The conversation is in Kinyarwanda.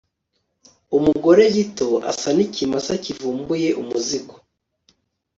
umugore gito asa n'ikimasa cyivumbuye umuzigo